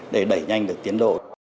để đẩy nhanh được tiến độ